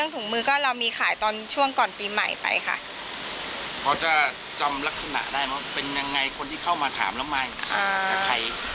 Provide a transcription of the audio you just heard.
เขาจะจำลักษณะได้ไหมเป็นยังไงคนที่เข้ามาถามแล้วไหมจากใคร